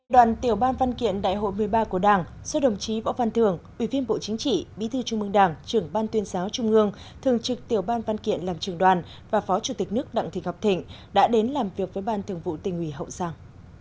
đoàn tiểu ban văn kiện đại hội một mươi ba của đảng do đồng chí võ văn thường ủy viên bộ chính trị bí thư trung mương đảng trưởng ban tuyên giáo trung ương thường trực tiểu ban văn kiện làm trường đoàn và phó chủ tịch nước đặng thị ngọc thịnh đã đến làm việc với ban thường vụ tình hủy hậu giang